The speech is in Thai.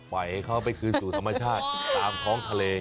ให้เขาไปคืนสู่ธรรมชาติตามท้องทะเล